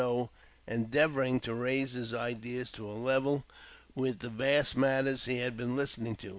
though endeavouring to raise his ideas to a level with the vast, matters he had been listening to.